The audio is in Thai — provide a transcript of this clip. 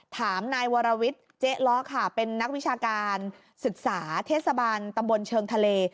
ถามนายวรวิทย์เจ๊ล้อค่ะเป็นนักวิชาการศึกษาเทศบาลตำบลเชิงทะเล